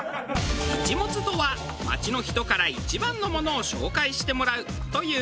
「一物」とは街の人から一番のものを紹介してもらうという事。